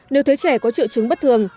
nếu thấy trẻ có triệu chứng bất thường